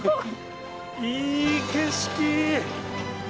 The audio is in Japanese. いい景色！